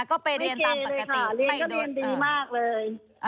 ไม่เกเลยค่ะเรียนก็เรียนดีมากเลย